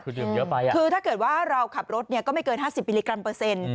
คือถ้าเกิดว่าเราขับรถก็ไม่เกิน๕๐มิลลิกรัมเปอร์เซ็นต์